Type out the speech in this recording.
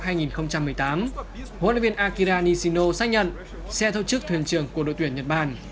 hội luyện viên akira nishino xác nhận sẽ thâu chức thuyền trường của đội tuyển nhật bản